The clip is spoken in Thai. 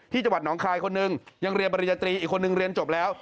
จังหวัดหนองคายคนหนึ่งยังเรียนปริญญาตรีอีกคนนึงเรียนจบแล้ว